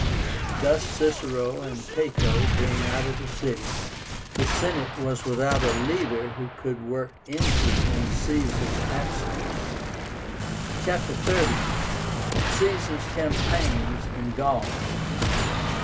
Thus, Cicero and Cato being out of the city, the Senate was without a leader who could work injury in Caesar's absence. CHAPTER XXX. CAESAR'S CAMPAIGNS IN GAUL.